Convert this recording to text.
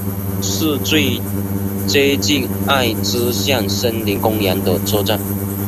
是最接近爱知县森林公园的车站。